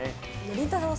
りんたろー。